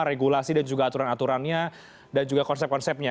regulasi dan juga aturan aturannya dan juga konsep konsepnya